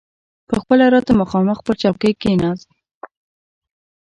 پخپله راته مخامخ پر چوکۍ کښېناست.